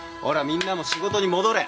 みんなも仕事に戻れ。